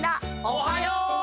おはよう！